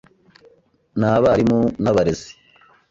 ni Abarimu n’abarezi